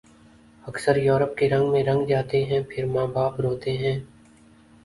اکثر یورپ کے رنگ میں رنگ جاتے ہیں پھر ماں باپ روتے ہیں